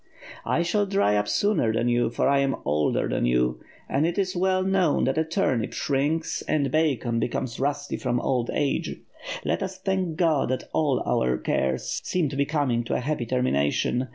*'l shall dry cp sooner than you, for 1 am older than yon, and it is well known that a tnmip shrinks and bacon be comes rusty from old age. Let ns thank God that all our fares seem to l>e coming to a happy termination.